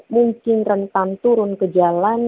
mungkin rentan turun ke jalan